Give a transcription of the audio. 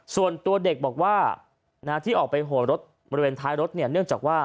ส่วนตัวเด็กบอกว่าที่ออกไปโหดรถบริเวณท้ายรถเนี่ยเนื่องจากว่า